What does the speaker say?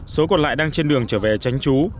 số còn lại đang trên đường trở về tránh trú